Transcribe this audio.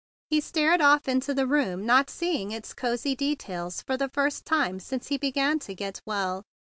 He stared off into the room not seeing its cozy details for the first time since he began to get well.